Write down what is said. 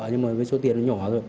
nhưng mà với số tiền nó nhỏ rồi